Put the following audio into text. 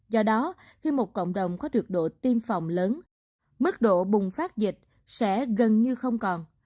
do đó khi một cộng đồng có được độ tiêm phòng lớn mức độ bùng phát dịch sẽ gần như không còn